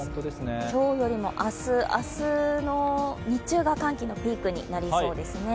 今日よりも明日、明日の日中が寒気のピークになりそうですね。